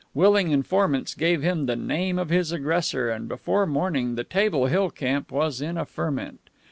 Willing informants gave him the name of his aggressor, and before morning the Table Hill camp was in a ferment.